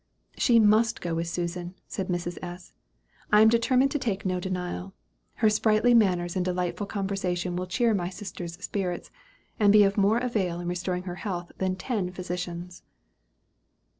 "She must go with Susan," said Mrs. S.; "I am determined to take no denial. Her sprightly manners and delightful conversation will cheer my sister's spirits, and be of more avail in restoring her health than ten physicians."